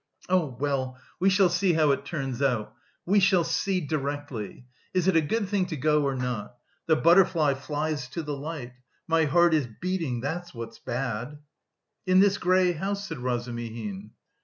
Oh, well, we shall see how it turns out.... We shall see... directly. Is it a good thing to go or not? The butterfly flies to the light. My heart is beating, that's what's bad!" "In this grey house," said Razumihin.